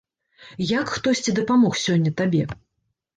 Як хтосьці дапамог сёння табе?